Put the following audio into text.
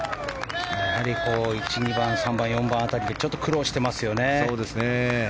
やはり１番、２番、３番４番辺りでちょっと苦労してますよね。